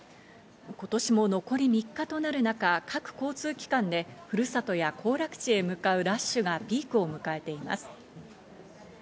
今年も残り３日となる中、各交通機関で、ふるさとや行楽地へ向かうラッシュがピークを迎えています。